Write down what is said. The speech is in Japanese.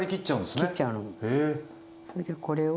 それでこれを。